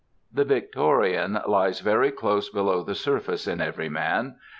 The Victorian lies very close below the surface in every man.